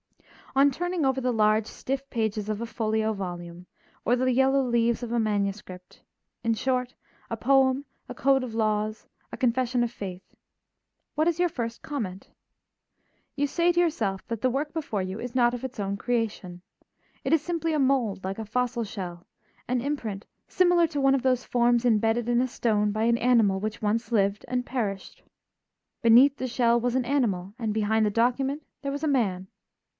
On turning over the large stiff pages of a folio volume, or the yellow leaves of a manuscript, in short, a poem, a code of laws, a confession of faith, what is your first comment? You say to yourself that the work before you is not of its own creation. It is simply a mold like a fossil shell, an imprint similar to one of those forms embedded in a stone by an animal which once lived and perished. Beneath the shell was an animal and behind the document there was a man.